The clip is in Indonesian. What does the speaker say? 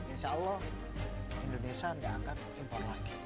insya allah indonesia tidak akan impor lagi